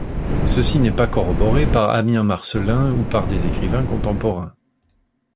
Ceci n'est pas corroboré par Ammien Marcellin ou par des écrivains contemporains.